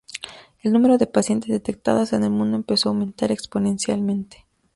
El número de pacientes detectados en el mundo empezó a aumentar exponencialmente.